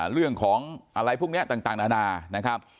เรื่องของอะไรพวกนี้ต่างนานานะครับ